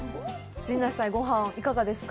陣内さん、ご飯、いかがですか。